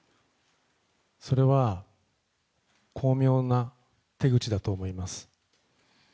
それは巧妙な手口だと思います。